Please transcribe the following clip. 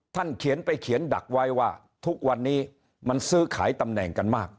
เขียนไปเขียนดักไว้ว่าทุกวันนี้มันซื้อขายตำแหน่งกันมาก